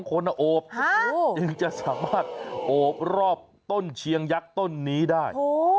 คนโอบจึงจะสามารถโอบรอบต้นเชียงยักษ์ต้นนี้ได้